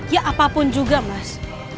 ya apapun juga mas